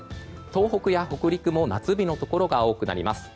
東北や北陸も夏日のところが多くなります。